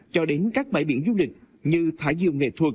cho đến các bãi biển du lịch như thải diệu nghệ